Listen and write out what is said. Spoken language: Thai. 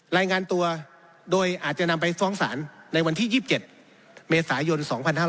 รายงานตัวโดยอาจจะนำไปฟ้องศาลในวันที่๒๗เมษายน๒๕๕๙